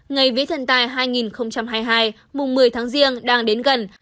ngày vía thần tài hai nghìn hai mươi hai mùng một mươi tháng riêng đang đến gần